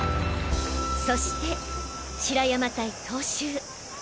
そして白山対東秀